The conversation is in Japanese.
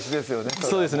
そうですね